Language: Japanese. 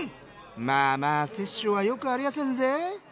「まあまあ殺生はよくありやせんぜ」。